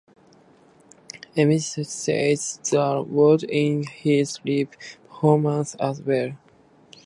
Eminem says the words in his live performances as well.